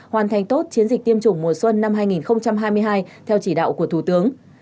hoàn thành tốt chiến dịch tiêm chủng mùa xuân năm hai nghìn hai mươi hai theo chỉ đạo của thủ tướng